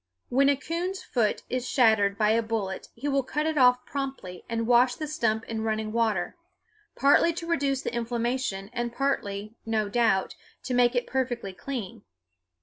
When a coon's foot is shattered by a bullet he will cut it off promptly and wash the stump in running water, partly to reduce the inflammation and partly, no doubt, to make it perfectly clean.